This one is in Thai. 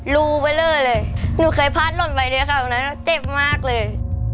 รูไปเล่อเลยหนูเคยพลาดหล่นไปด้วยค่ะวันนั้นเจ็บมากเลย